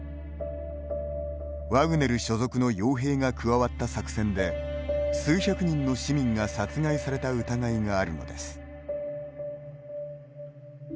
ワグネル所属のよう兵が加わった作戦で数百人の市民が殺害された疑いがあるのです。